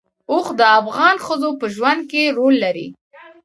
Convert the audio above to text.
اوښ د افغان ښځو په ژوند کې رول لري.